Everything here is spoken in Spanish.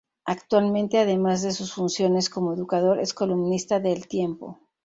Actualmente además de sus funciones como educador es columnista de El Tiempo.